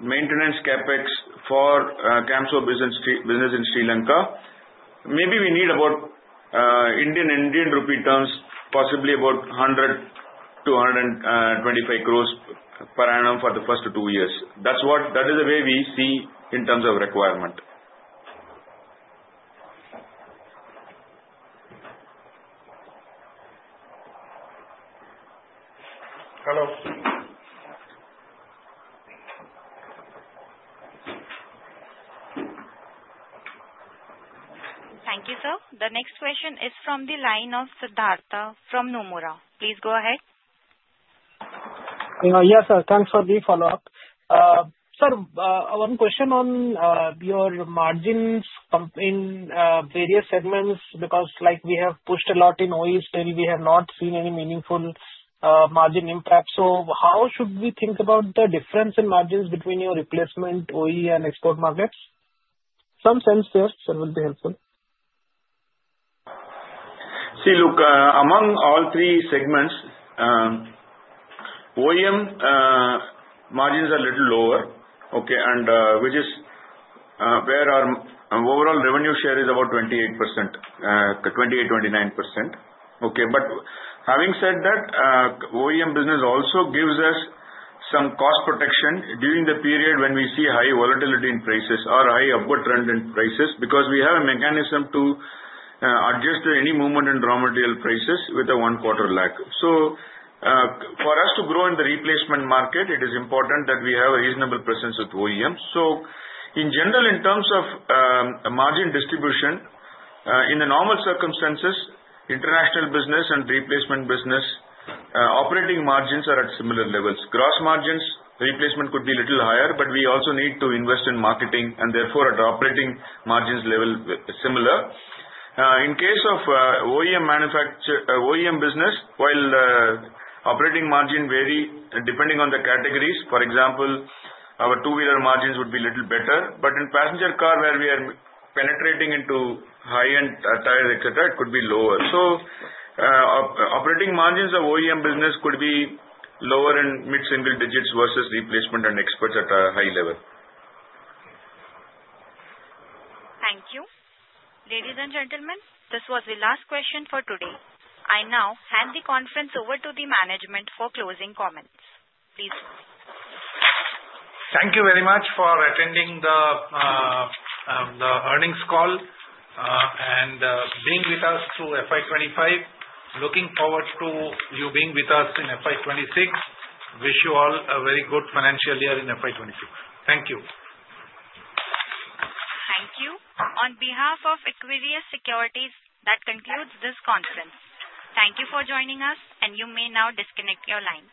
maintenance CapEx for Camso business in Sri Lanka, maybe we need about, in Indian rupee terms, possibly about 100-125 crore per annum for the first two years. That is the way we see in terms of requirement. Hello. Thank you, sir. The next question is from the line of Siddhartha from Nomura. Please go ahead. Yes, sir. Thanks for the follow-up. Sir, one question on your margins in various segments because we have pushed a lot in OE still, we have not seen any meaningful margin impact. How should we think about the difference in margins between your replacement OE and export markets? Some sense there, sir, will be helpful. See, look, among all three segments, OEM margins are a little lower, okay, and where our overall revenue share is about 28%, 28%-29%. Okay. Having said that, OEM business also gives us some cost protection during the period when we see high volatility in prices or high upward trend in prices because we have a mechanism to adjust to any movement in raw material prices with a one quarter lag. For us to grow in the replacement market, it is important that we have a reasonable presence with OEM. In general, in terms of margin distribution, in the normal circumstances, international business and replacement business, operating margins are at similar levels. Gross margins, replacement could be a little higher, but we also need to invest in marketing and therefore at operating margins level similar. In case of OEM business, while operating margin vary depending on the categories, for example, our two-wheeler margins would be a little better. In passenger car where we are penetrating into high-end tyres, etc., it could be lower. Operating margins of OEM business could be lower in mid-single digits versus replacement and experts at a high level. Thank you. Ladies and gentlemen, this was the last question for today. I now hand the conference over to the management for closing comments. Please. Thank you very much for attending the earnings call and being with us through FY 2025. Looking forward to you being with us in FY 2026. Wish you all a very good financial year in FY 2026. Thank you. Thank you. On behalf of Equirus Securities, that concludes this conference. Thank you for joining us, and you may now disconnect your line.